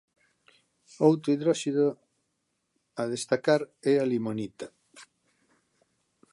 Outro hidróxido a destacar é a limonita.